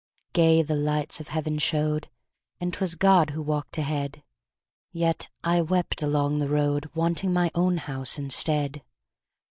Gay the lights of Heaven showed, And 'twas God who walked ahead; Yet I wept along the road, Wanting my own house instead.